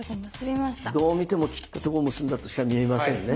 どう見ても切ったとこ結んだとしか見えませんね？